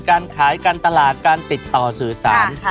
การขายการตลาดการติดต่อสื่อสาร